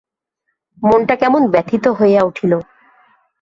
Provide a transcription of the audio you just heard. মনটা কেমন ব্যথিত হইয়া উঠিল।